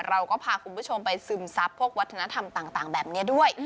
เราก็พาคุณผู้ชมไปซึมซับพวกวัฒนธรรมต่างแบบนี้ด้วย